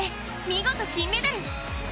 見事、金メダル。